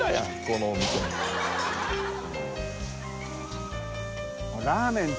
このお店の。